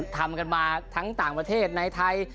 ทำกันมาทั้งต่างประเทศในไทย